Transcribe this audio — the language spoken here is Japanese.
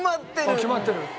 決まってる！？